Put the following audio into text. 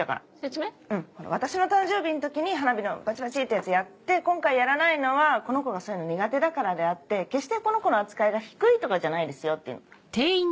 うん私の誕生日の時に花火のバチバチってやつやって今回やらないのはこの子がそういうの苦手だからであって決してこの子の扱いが低いとかじゃないですよって。